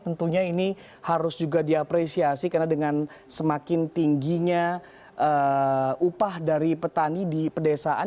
tentunya ini harus juga diapresiasi karena dengan semakin tingginya upah dari petani di pedesaan